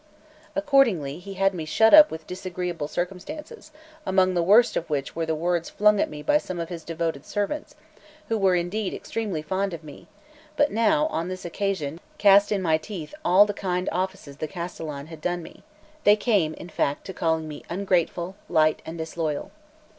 Accordingly, he had me shut up with disagreeable circumstances, among the worst of which were the words flung at me by some of his devoted servants, who were indeed extremely fond of me, but now, on this occasion, cast in my teeth all the kind offices the castellan had done me; they came, in fact, to calling me ungrateful, light, and disloyal.